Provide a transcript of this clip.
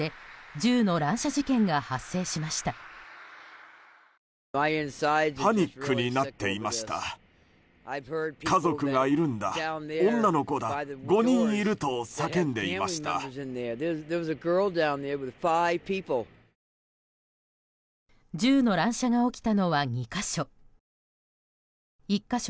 銃の乱射が起きたのは２か所。